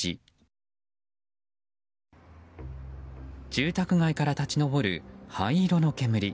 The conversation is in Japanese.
住宅街から立ち上る灰色の煙。